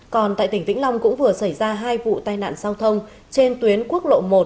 còn tại tỉnh vĩnh long cũng vừa xảy ra hai vụ tai nạn giao thông trên tuyến quốc lộ một